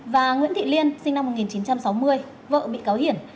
và nguyễn thị liên sinh năm một nghìn chín trăm sáu mươi vợ bị cáo hiển